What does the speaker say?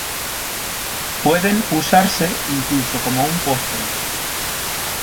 Pueden usarse incluso como un postre.